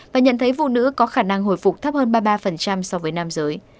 và nhận thấy phụ nữ có khả năng hồi phục thấp hơn ba mươi ba so với nam giới